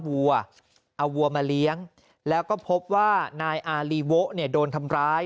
วัวเอาวัวมาเลี้ยงแล้วก็พบว่านายอารีโวะเนี่ยโดนทำร้าย